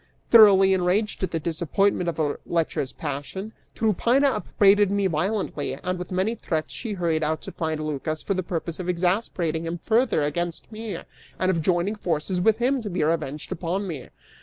Thoroughly enraged at the disappointment of her lecherous passion, Tryphaena upbraided me violently, and with many threats she hurried out to find Lycas for the purpose of exasperating him further against me and of joining forces with him to be revenged upon me.